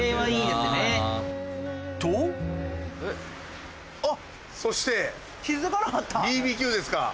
ＢＢＱですか。